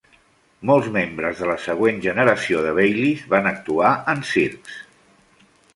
Molts membres de la següent generació de Baileys van actuar en circs.